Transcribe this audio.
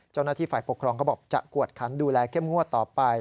เจ้าหน้าที่ฝ่ายปกครองก็บอกจะกวดขันดูแลเข้มงวดต่อไป